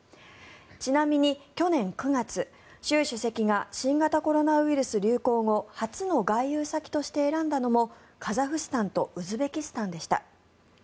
ちなみに去年９月、習主席が新型コロナウイルス流行後初の外遊先として選んだのもカザフスタンとウズベキスタンでした。